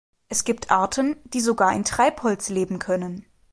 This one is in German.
Es gibt Arten, die sogar in Treibholz leben können.